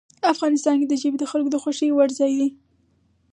افغانستان کې ژبې د خلکو د خوښې وړ ځای دی.